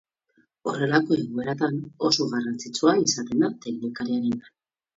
Horrelako egoeratan oso garrantzitsua izaten da teknikariaren lana.